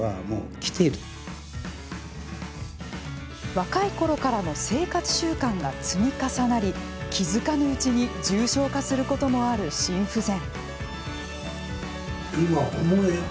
若い頃からの生活習慣が積み重なり、気づかぬうちに重症化することもある心不全。